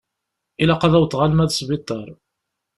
Ilaq ad awḍeɣ alma d sbiṭar.